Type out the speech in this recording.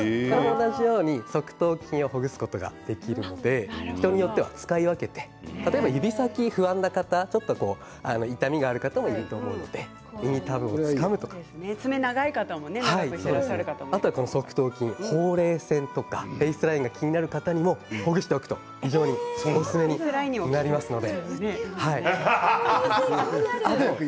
同じように側頭筋をほぐすことができるので人によっては使い分けて指先が不安な方、痛みがある方もいると思うので耳たぶをつかんであとは側頭筋、ほうれい線とかフェイスラインが気になる方にもほぐしておくと非常におすすめになりますので。